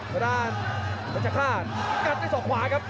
ตัวด้านประชาภาษณ์กัดให้ส่องขวาครับ